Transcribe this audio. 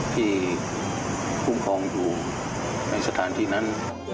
ที่คุ้มครองอยู่ในสถานที่นั้น